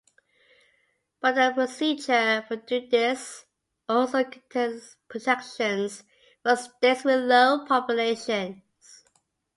But the procedure for doing this also contains protections for states with low populations.